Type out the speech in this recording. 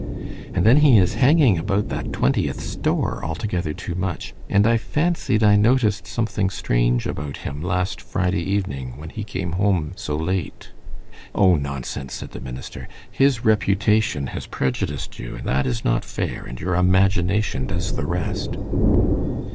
And then he is hanging about that Twentieth store altogether too much, and I fancied I noticed something strange about him last Friday evening when he came home so late." "O, nonsense," said the minister. "His reputation has prejudiced you, and that is not fair, and your imagination does the rest."